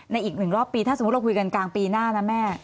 อีก๑รอบปีถ้าสมมุติเราคุยกันกลางปีหน้านะแม่